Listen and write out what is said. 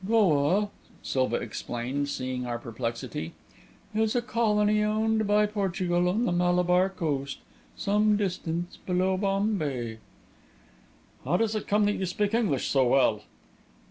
"Goa," Silva explained, seeing our perplexity, "is a colony owned by Portugal on the Malabar coast, some distance below Bombay." "How does it come that you speak English so well?"